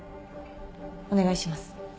お願いします。